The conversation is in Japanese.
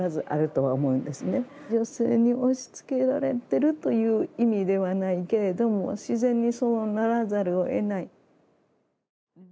女性に押しつけられてるという意味ではないけれども自然にそうならざるをえない。